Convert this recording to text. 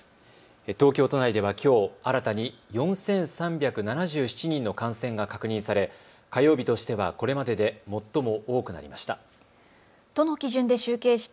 東京都内では、きょう新たに４３７７人の感染が確認され火曜日としてはこれまでで最も多くなりました。